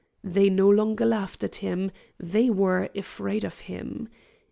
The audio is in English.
They no longer laughed at him, they were afraid of him.